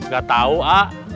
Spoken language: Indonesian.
gak tau ah